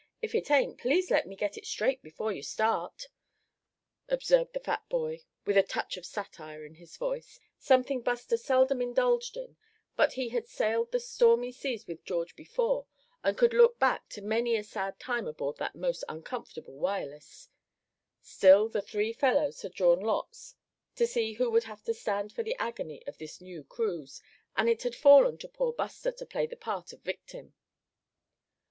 If it ain't, please let me get it straight before you start!" observed the fat boy, with a touch of satire in his voice, something Buster seldom indulged in; but he had sailed the stormy seas with George before and could look back to many a sad time aboard that most uncomfortable Wireless; still the three fellows had drawn lots to see who would have to stand for the agony on this new cruise, and it had fallen to poor Buster to play the part of victim.